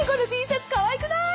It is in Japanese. Ｔシャツかわいくない？